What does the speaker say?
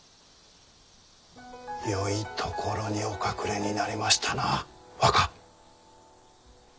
よい所にお隠れになりましたな若。